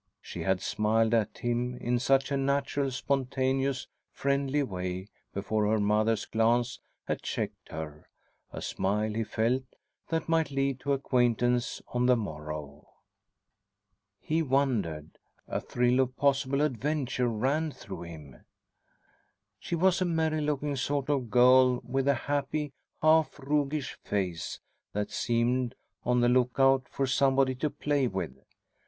She had smiled at him in such a natural, spontaneous, friendly way before her mother's glance had checked her a smile, he felt, that might lead to acquaintance on the morrow. He wondered! A thrill of possible adventure ran through him. She was a merry looking sort of girl, with a happy, half roguish face that seemed on the lookout for somebody to play with.